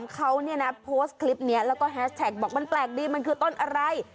เขาเนี่ยนะโพสต์คลิปนี้แล้วก็แฮชแท็กบอกมันแปลกดีมันคือต้นอะไร